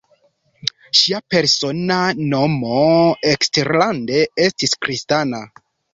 Ŝia persona nomo eksterlande estis Kristina.